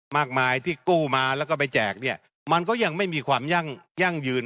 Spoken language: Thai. มากมายที่กู้มาแล้วก็ไปแจกเนี่ยมันก็ยังไม่มีความยั่งยืน